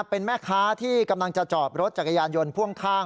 เป็นแม่ค้าที่กำลังจะจอบรถจักรยานยนต์พ่วงข้าง